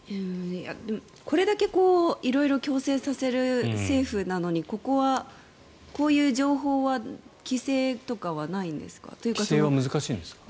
これだけ色々強制させる政府なのにここはこういう情報は規制とかはないんですか？